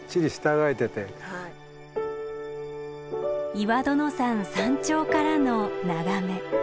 岩殿山山頂からの眺め。